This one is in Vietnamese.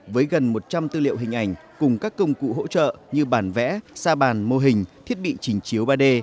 với gần một trăm linh tư liệu hình ảnh cùng các công cụ hỗ trợ như bản vẽ xa bàn mô hình thiết bị trình chiếu ba d